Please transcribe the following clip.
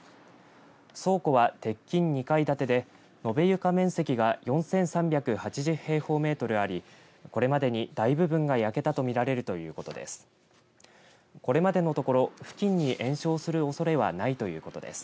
倉庫は鉄筋２階建てで延べ床面積が４３８０平方メートルありこれまでに大部分が焼けたと見られるということです。